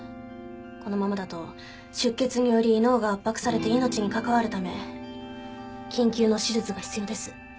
このままだと出血により脳が圧迫されて命に関わるため緊急の手術が必要です。